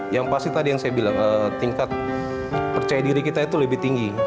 yang pasti tadi yang saya bilang tingkat percaya diri kita itu lebih tinggi